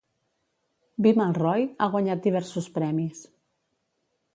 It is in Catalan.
Bimal Roy ha guanyat diversos premis.